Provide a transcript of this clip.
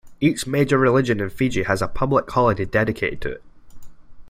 Each major religion in Fiji has a public holiday dedicated to it.